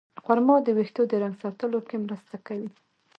خرما د ویښتو د رنګ ساتلو کې مرسته کوي.